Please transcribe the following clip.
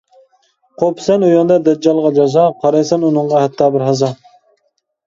قويۇپسەن ئۆيۈڭدە دەججالغا جازا، قارايسەن ئۇنىڭغا ھەتتا بىرھازا.